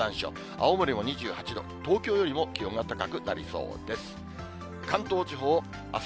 青森も２８度、東京よりも気温が高くなりそうです。